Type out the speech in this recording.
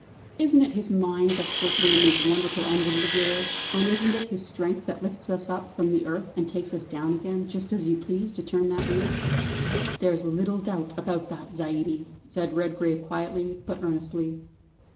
Isn't it his mind that's working in these wonderful engines of yours, and isn't it his strength that lifts us up from the earth and takes us down again just as you please to turn that wheel?" "There's little doubt about that, Zaidie," said Redgrave quietly, but earnestly.